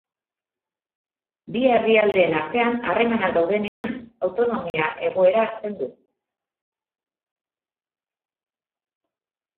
Bi herrialdeen artean harremanak daudenean, autonomia egoera hartzen du.